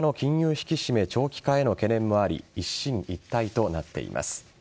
引き締め長期化への懸念もあり一進一退となっています。